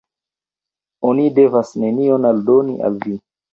Oni devas nenion aldoni al vi.